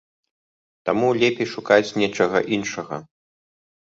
Таму лепей шукаць нечага іншага.